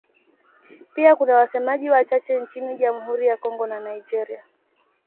Pia kuna wasemaji wachache nchini Jamhuri ya Kongo na Nigeria.